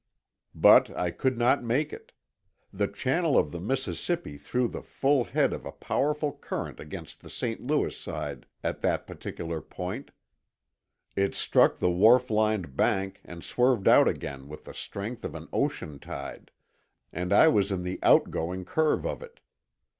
But I could not make it. The channel of the Mississippi threw the full head of a powerful current against the St. Louis side at that particular point; it struck the wharf lined bank and swerved out again with the strength of an ocean tide, and I was in the out going curve of it.